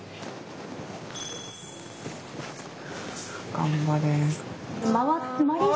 頑張れ！